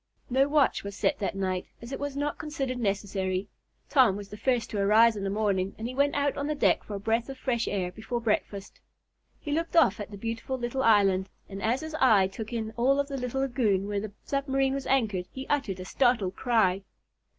No watch was set that night, as it was not considered necessary. Tom was the first to arise in the morning, and he went out on the deck for a breath of fresh air before breakfast. He looked off at the beautiful little island, and as his eye took in all of the little lagoon where the submarine was anchored he uttered a startled cry.